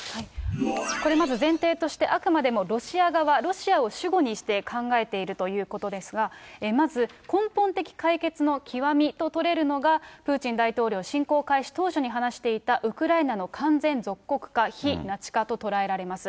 これまず前提として、あくまでもロシア側、ロシアを主語にして考えているということですが、まず根本的解決の極みと取れるのが、プーチン大統領、侵攻開始当初に話していたウクライナの完全属国化、非ナチ化と捉えられます。